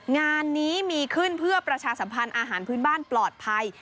งานนี้มีขึ้นเพื่อประชาสัมพันธ์อาหารพื้นบ้านปลอดภัย